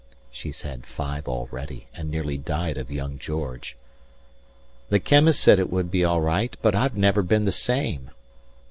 (She's had five already, and nearly died of young George.) 160 The chemist said it would be alright, but I've never been the same.